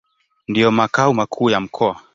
Ndio makao makuu ya mkoa.